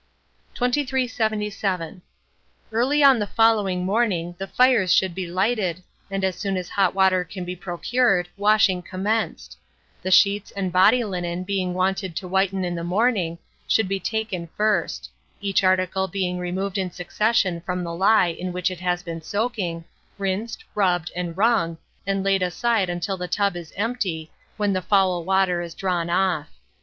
2377. Early on the following morning the fires should be lighted, and as soon as hot water can be procured, washing commenced; the sheets and body linen being wanted to whiten in the morning, should be taken first; each article being removed in succession from the lye in which it has been soaking, rinsed, rubbed, and wrung, and laid aside until the tub is empty, when the foul water is drawn off.